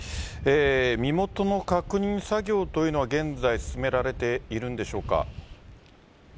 身元の確認作業というのは現在、進められているんでしょうか。